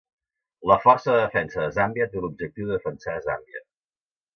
La Força de Defensa de Zàmbia té l'objectiu de defensar Zàmbia.